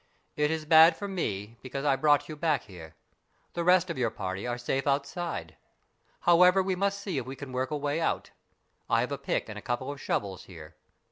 " It is bad for me, because I brought you back here. The rest oi your party are safe outside. However, we must see if we can work a way out. I have a pick and a couple of shovels here."